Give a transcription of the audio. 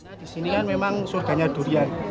nah disini kan memang surganya durian